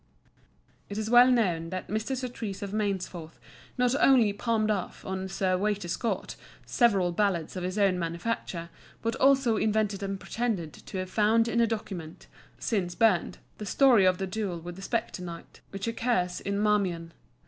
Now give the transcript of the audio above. It is well known that Mr. Surtees of Mainsforth not only palmed off on Sir Waiter Scott several ballads of his own manufacture, but also invented and pretended to have found in a document (since burned) the story of the duel with the spectre knight which occurs in Marmion.